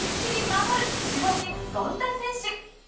守護神権田選手